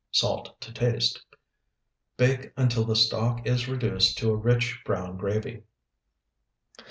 Salt to taste. Bake until the stock is reduced to a rich brown gravy.